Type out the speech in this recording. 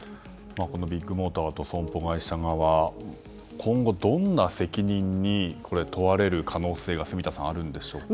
ビッグモーターと損保会社側今後どんな責任に問われる可能性が住田さん、あるんでしょうか。